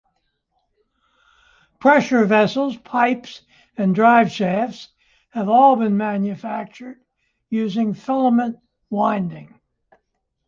Pressure vessels, pipes and drive shafts have all been manufactured using filament winding.